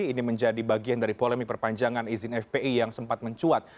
ini menjadi bagian dari polemi perpanjangan izin fpi yang sempat mencuat